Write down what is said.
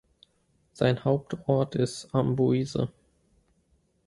Sein Hauptort ist Amboise.